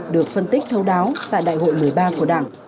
được phân tích thâu đáo tại đại hội một mươi ba của đảng